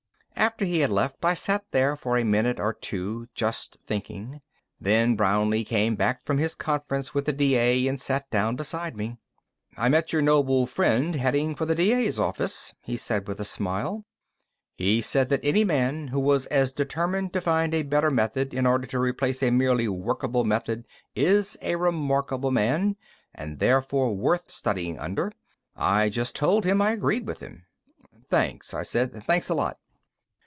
After he had left, I sat there for a minute or two, just thinking. Then Brownlee came back from his conference with the D.A. and sat down beside me. "I met your noble friend heading for the D.A.'s office," he said with a smile. "He said that any man who was as determined to find a better method in order to replace a merely workable method is a remarkable man and therefore worth studying under. I just told him I agreed with him." "Thanks," I said. "Thanks a lot."